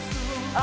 あ？